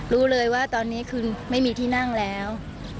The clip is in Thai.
รู้เลยว่าตอนนี้คือไม่มีที่นั่งแล้ว